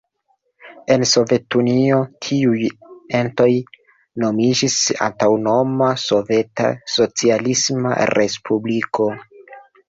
En Sovetunio tiuj entoj nomiĝis aŭtonoma soveta socialisma respubliko.